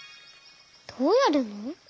どうやるの？